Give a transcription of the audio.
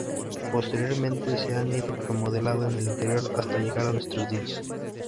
Posteriormente se han ido remodelando en el interior, hasta llegar a nuestros días.